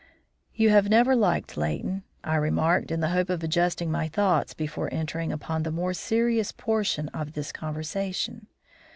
"You have never liked Leighton," I remarked, in the hope of adjusting my thoughts before entering upon the more serious portion of this conversation.